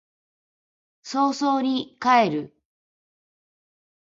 早々に帰る